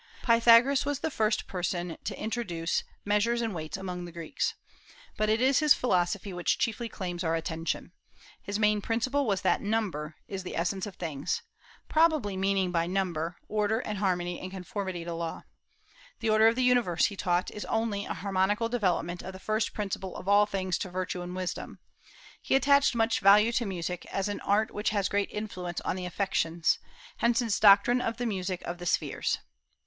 Pythagoras was the first person who introduced measures and weights among the Greeks. But it is his philosophy which chiefly claims our attention. His main principle was that number is the essence of things, probably meaning by number order and harmony and conformity to law. The order of the universe, he taught, is only a harmonical development of the first principle of all things to virtue and wisdom. He attached much value to music, as an art which has great influence on the affections; hence his doctrine of the music of the spheres.